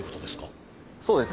そうです。